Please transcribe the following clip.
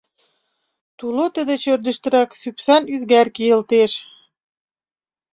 Тулото-деч ӧрдыжтырак сӱспан-ӱзгар кийылтеш.